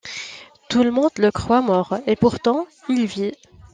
Tout le monde le croit mort, et pourtant il vit.